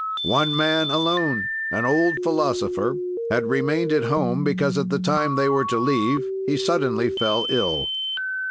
"One man alone, an old philosopher, had remained at home because, at the time they were to leave, he suddenly fell ill.